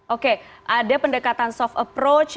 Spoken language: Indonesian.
oke ada pendekatan soft approach